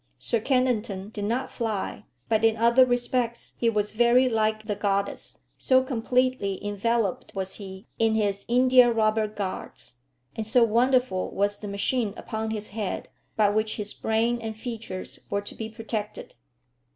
Sir Kennington did not fly, but in other respects he was very like the goddess, so completely enveloped was he in his india rubber guards, and so wonderful was the machine upon his head, by which his brain and features were to be protected.